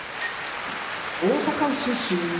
大阪府出身